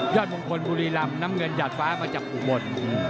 ยอดมงคลบุรีลำน้ำเงินหยาดฟ้ามาจับอุบล